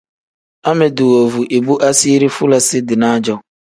Amedi woovu ibu asiiri fulasi-dinaa-jo.